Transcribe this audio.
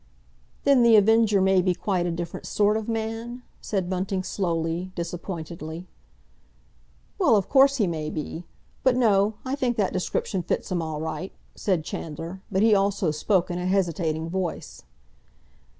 '" "Then The Avenger may be quite a different sort of man?" said Bunting slowly, disappointedly. "Well, of course he may be. But, no; I think that description fits him all right," said Chandler; but he also spoke in a hesitating voice.